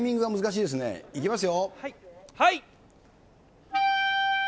いきますよ。